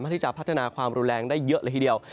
ที่จะพัฒนาความรุนแรงได้เยอะเลยทีเดียว